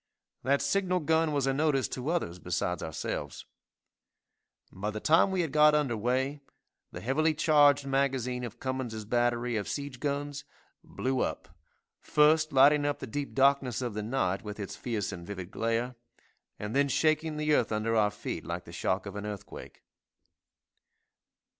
That signal gun was a notice to others besides ourselves. By the time we had got under weigh, the heavily charged magazine of Cummins' battery of siege guns, blew up, first lighting up the deep darkness of the night with its fierce and vivid glare, and then shaking the earth under our feet like the shock of an earthquake.